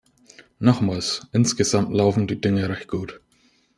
Nochmals, insgesamt laufen die Dinge recht gut.